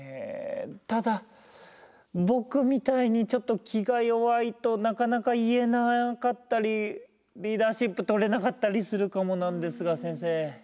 ただ僕みたいにちょっと気が弱いとなかなか言えなかったりリーダーシップとれなかったりするかもなんですが先生。